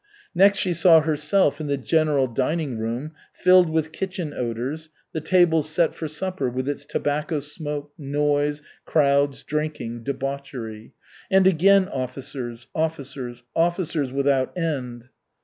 Next she saw herself in the general dining room, filled with kitchen odors, the tables set for supper, with its tobacco smoke, noise, crowds, drinking, debauchery. And again officers, officers, officers without end.